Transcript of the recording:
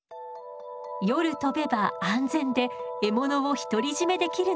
夜飛べば安全で獲物を独り占めできるの。